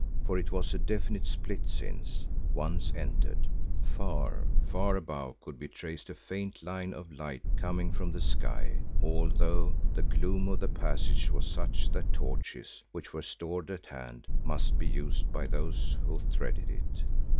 For it was a definite split since, once entered, far, far above could be traced a faint line of light coming from the sky, although the gloom of the passage was such that torches, which were stored at hand, must be used by those who threaded it.